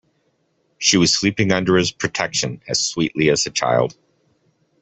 She was sleeping under his protection as sweetly as a child.